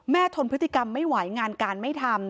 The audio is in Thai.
ทนพฤติกรรมไม่ไหวงานการไม่ทำ